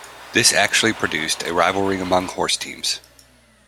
This actually produced a rivalry among horse teams!